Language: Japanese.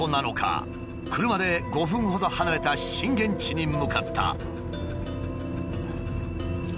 車で５分ほど離れた震源地に向かった。